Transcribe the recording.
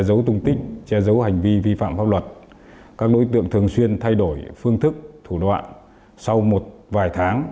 dấu hành vi vi phạm pháp luật các đối tượng thường xuyên thay đổi phương thức thủ đoạn sau một vài tháng